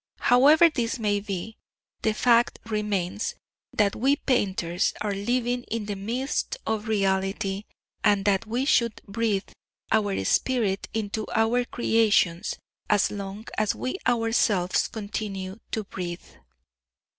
However this may be, the fact remains that we painters are living in the midst of reality, and that we should breathe our spirit into our creations as long as we ourselves continue to breathe.